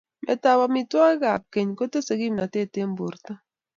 Metap amitwogikap keny ko tesei kimnatet eng porto